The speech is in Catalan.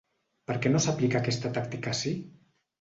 Per què no s’aplica aquesta tàctica ací?